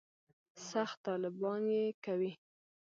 سخت طالبان یې کوي.